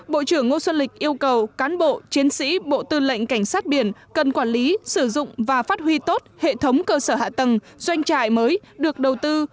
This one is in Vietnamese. bộ trưởng ngô xuân lịch yêu cầu cán bộ chiến sĩ bộ tư lệnh cảnh sát biển cần quản lý sử dụng và phát huy tốt hệ thống cơ sở hạ tầng doanh trại mới được đầu tư